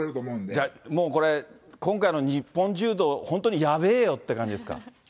じゃあもうこれ、今回の日本柔道、本当にやべぇよって感じですか。